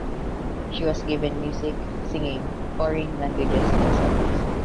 She was given music, singing, foreign languages lessons.